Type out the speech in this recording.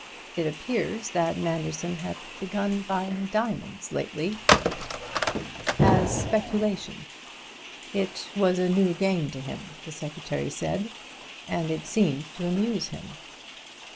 It appears that Manderson had begun buying diamonds lately as a speculation it was a new game to him, the secretary said, and it seemed to amuse him."